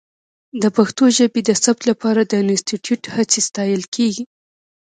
د پښتو ژبې د ثبت لپاره د انسټیټوت هڅې ستایلې کېږي.